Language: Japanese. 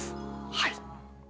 はい。